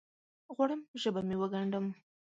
غواړم ژبه مې وګنډم